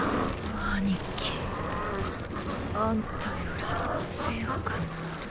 兄貴あんたより強くなる。